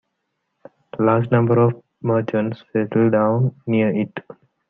Large number of merchants settled down near it.